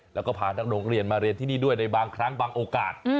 แล้วก็พานักโรงเรียนมาเรียนที่นี่ด้วยในบางครั้งบางโอกาส